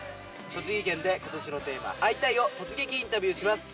栃木県で今年のテーマ「会いたい！」を突撃インタビューします。